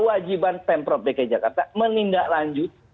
kewajiban pemprov bk jakarta menindaklanjuti